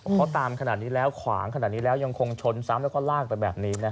เพราะตามขนาดนี้แล้วขวางขนาดนี้แล้วยังคงชนซ้ำและลากแบบนี้นะฮะ